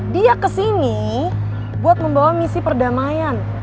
dia kesini buat membawa misi perdamaian